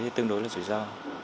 thì tương đối là rủi ro